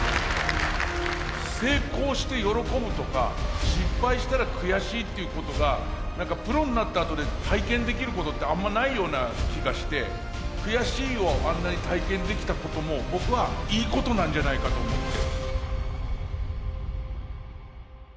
成功して喜ぶとか失敗したら悔しいっていうことが何かプロになったあとで体験できることってあんまないような気がして「悔しい」をあんなに体験できたことも僕はいいことなんじゃないかと思って。